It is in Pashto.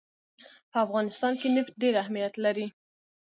په افغانستان کې نفت ډېر اهمیت لري.